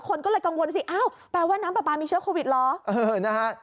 คนก็เลยกังวลสิอ้าวแปลว่าน้ำปลาปลามีเชื้อโควิดเหรอนะฮะ